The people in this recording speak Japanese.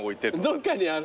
どっかにある？